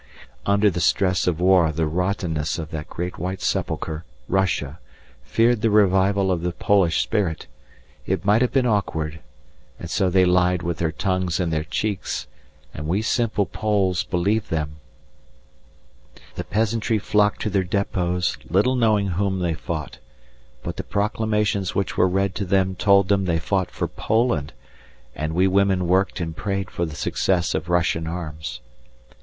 Under the stress of war the rottenness of that great whited sepulchre, Russia, feared the revival of the Polish spirit; it might have been awkward, and so they lied with their tongues in their cheeks, and we simple Poles believed them; the peasantry flocked to their depots, little knowing whom they fought, but the proclamations which were read to them told them they fought for Poland, and we women worked and prayed for the success of Russian arms.